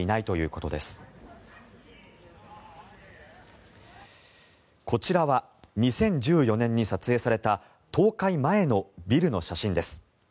こちらは２０１４年に撮影された倒壊前のビルの写真です。